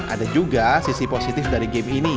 ada juga sisi positif dari game ini